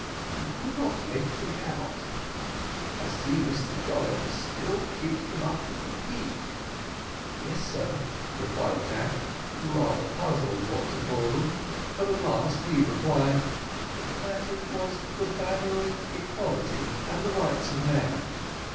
we could not make them out. I see Mr Jolliffe still keeps them up at the peak." "Yes, sir," replied Jack, rather puzzled what to call them, but at last he replied that it was the banner of equality and the rights of man.